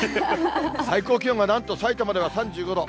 最高気温がなんとさいたまでは３５度。